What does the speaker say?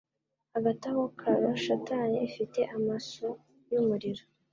Hagati aho Caron shitani ifite amaso yumuriro